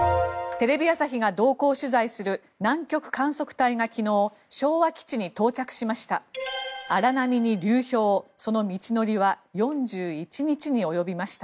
テレビ朝日が同行取材する南極観測隊が昨日、昭和基地に到着しました。